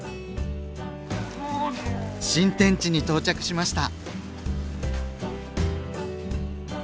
新天地に到着しました！